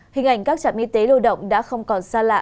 hình ảnh các trạm y tế lưu động đã không còn xa lạ